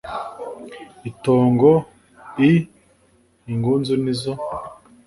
itongo l ingunzu ni zo